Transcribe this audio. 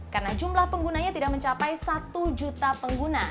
karena jumlah penggunanya tidak mencapai satu juta pengguna